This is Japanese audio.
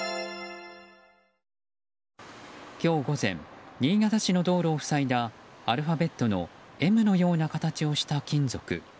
今日午前新潟市の道路を塞いだアルファベットのＭのような形をした金属。